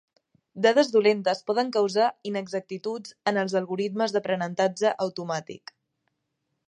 Dades dolentes poden causar inexactituds en els algoritmes d'aprenentatge automàtic.